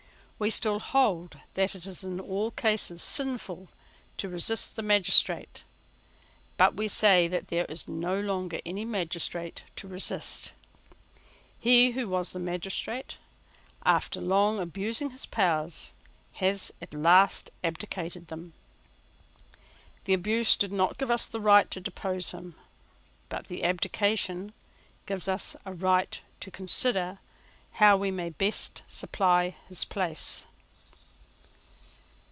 We still hold that it is in all cases sinful to resist the magistrate: but we say that there is no longer any magistrate to resist. He who was the magistrate, after long abusing his powers, has at last abdicated them. The abuse did not give us a right to depose him: but the abdication gives us a right to consider how we may best supply his place.